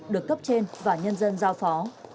được cấp trên và nhân dân giao phó